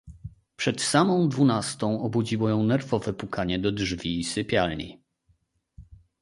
"Przed samą dwunastą obudziło ją nerwowe pukanie do drzwi sypialni."